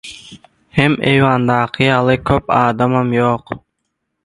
Hem eýwandaky ýaly köp adamam ýok.